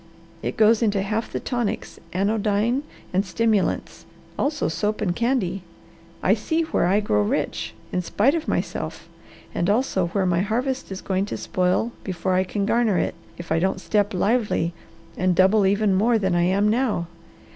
It goes into half the tonics, anodyne, and stimulants; also soap and candy. I see where I grow rich in spite of myself, and also where my harvest is going to spoil before I can garner it, if I don't step lively and double even more than I am now.